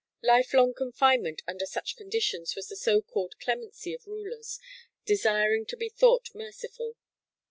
Life long confinement under such conditions was the so called "clemency" of rulers desiring to be thought merciful.